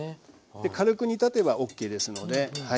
軽く煮立てばＯＫですのではい。